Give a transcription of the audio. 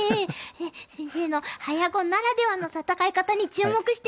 先生の早碁ならではの戦い方に注目しています！